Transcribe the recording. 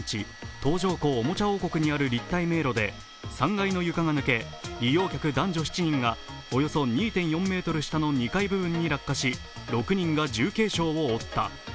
東条湖おもちゃ王国にある立体迷路で３階の床が抜け、利用客男女７人がおよそ２．４ｍ下の２階部分に落下し、６人の重軽傷を負った。